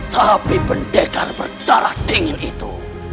tapi pendekar berdarah dingin itu